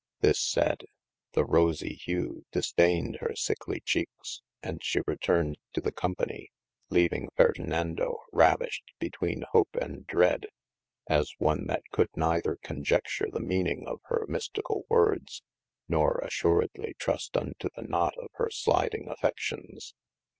This sayd: the rosie hewe dis[t]ained hir sikely chekes, and she returned to the copany, leaving Ferdinando ravished betwene hope and dread, as on that could neither conjecture the meaning of hir misticall wordes, nor assuredly trust unto the knot of hyr sliding affe&iones.